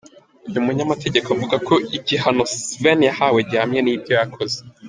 Uyu munyamategeko avuga ko igihano Sven yahawe gihanye n’ ibyo yakoze.